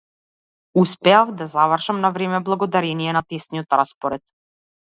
Успеав да завршам на време благодарение на тесниот распоред.